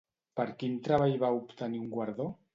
Per quin treball va obtenir un guardó?